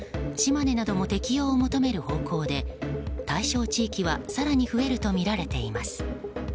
島根なども適用を求める方向で対象地域は更に増えるとみられています。